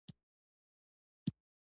په خبرو کې نرم او مهربان اوسه.